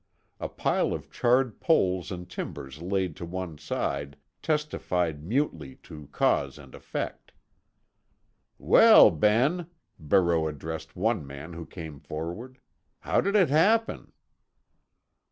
A pile of charred poles and timbers laid to one side testified mutely to cause and effect. "Well, Ben," Barreau addressed one man who came forward. "How did it happen?"